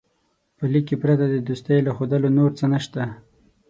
په لیک کې پرته د دوستۍ له ښودلو نور څه نسته.